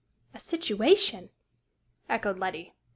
"A situation!" echoed Letty.